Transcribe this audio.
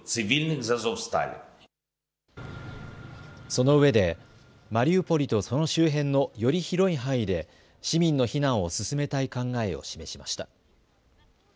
そのうえでマリウポリとその周辺のより広い範囲で市民の避難を進めたい考えを示しました。